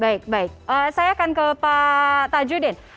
baik baik saya akan ke pak tajudin